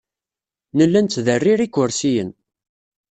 Nella nettderrir ikersiyen.